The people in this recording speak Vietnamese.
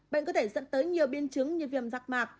bệnh có thể dẫn tới nhiều biến chứng như viêm rạc mạc